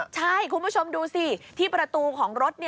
ใช่คุณผู้ชมดูสิที่ประตูของรถ